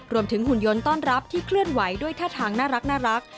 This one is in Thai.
หุ่นยนต์ต้อนรับที่เคลื่อนไหวด้วยท่าทางน่ารัก